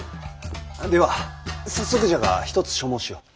では早速じゃが一つ所望しよう。